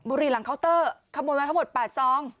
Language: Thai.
บุหรี่หลังเคาน์เตอร์ขโมยมาทั้งหมดปาดซอง